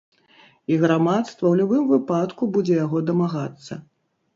І грамадства ў любым выпадку будзе яго дамагацца.